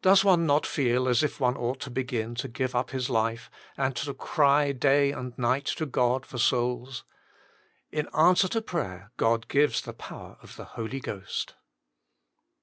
Docs not one feel as if one ought to begin to give up his life, and to cry day and night to God for souls ? In answer to prayer God gives the power of the Holy Ghost.